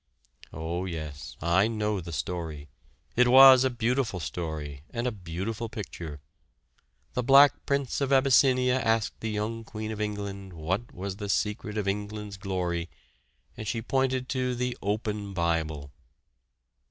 Oh, yes. I know the story. It was a beautiful story and a beautiful picture. The black prince of Abyssinia asked the young Queen of England what was the secret of England's glory and she pointed to the "open Bible."